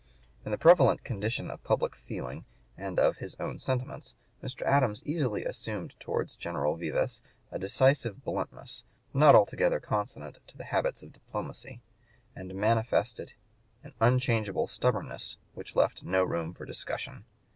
In the prevalent condition of public feeling and of his own sentiments Mr. Adams easily assumed towards General Vivês a decisive bluntness, not altogether consonant to the habits of diplomacy, and manifested an unchangeable stubbornness which left no room for discussion.